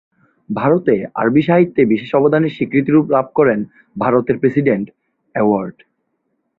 ভারতে আরবি সাহিত্যে বিশেষ অবদানের স্বীকৃতিস্বরূপ লাভ করেন ভারতের ‘প্রেসিডেন্ট অ্যাওয়ার্ড’।